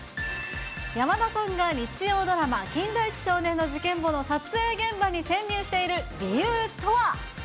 山田さんが日曜ドラマ、金田一少年の事件簿の撮影現場に潜入している理由とは。